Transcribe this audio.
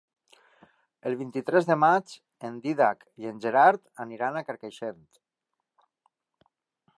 El vint-i-tres de maig en Dídac i en Gerard aniran a Carcaixent.